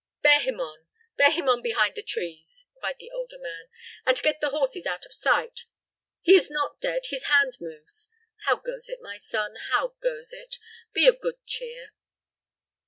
"Bear him on bear him on behind the trees," cried the older man, "and get the horses out of sight. He is not dead his hand moves. How goes it, my son? How goes it? Be of good cheer."